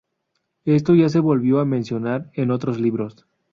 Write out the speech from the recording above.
Esto ya no se volvió a mencionar en otros libros.